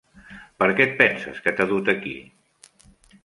Per què et penses que t'he dut aquí?